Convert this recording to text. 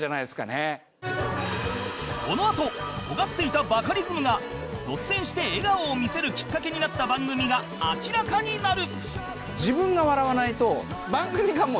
このあとトガっていたバカリズムが率先して笑顔を見せるきっかけになった番組が明らかになる！